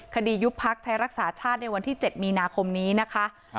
ยุบพักไทยรักษาชาติในวันที่๗มีนาคมนี้นะคะ